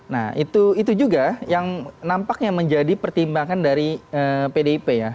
nah itu juga yang nampaknya menjadi pertimbangan dari pdip ya